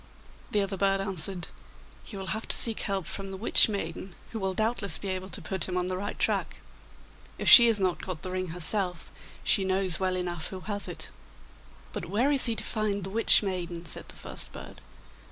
The other bird answered, 'He will have to seek help from the Witch maiden,(3) who will doubtless be able to put him on the right track. If she has not got the ring herself, she knows well enough who has it.' (3) Hollenmadchen. 'But where is he to find the Witch maiden?' said the first bird.